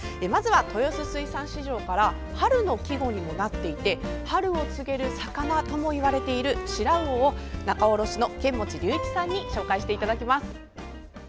まずは豊洲水産市場から春の季語にもなっていて春を告げる魚ともいわれているシラウオを仲卸の釼持龍一さんに紹介していただききます。